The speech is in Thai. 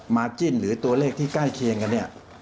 มาจิ้นหรือตัวเลขที่ใกล้เคียงกัน